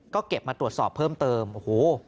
ก็เก็บมาตรวจสอบเพิ่มเติมโอ้โห